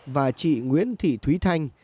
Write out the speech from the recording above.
và chị nguyễn thị thúy thanh